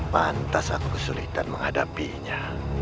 pantas aku kesulitan menghadapinya